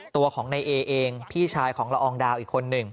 ตัวของนายเอเองพี่ชายของละอองดาวอีกคนหนึ่ง